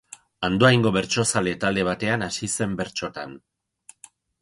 Andoaingo bertsozale-talde batean hasi zen bertsotan.